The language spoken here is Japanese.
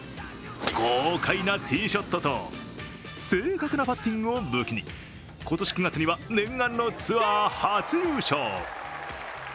豪快なティーショットと正確なパッティングを武器に、今年９月には念願のツアー初優勝。